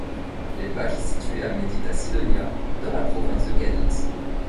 L'élevage est situé à Medina-Sidonia dans la province de Cadix.